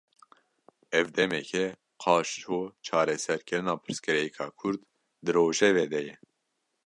Ev demeke, qaşo çareserkirina pirsgirêka Kurd, di rojevê de ye